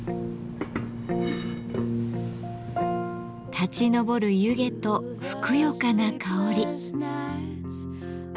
立ち上る湯気とふくよかな香り。